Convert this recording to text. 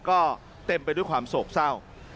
ก็เต็มไปด้วยความโศกเศร้า